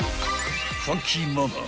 ［ファンキーママ